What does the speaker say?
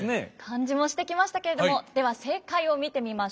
感じもしてきましたけれどもでは正解を見てみましょう。